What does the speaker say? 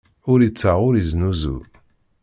Ur ittaɣ, ur iznuzu.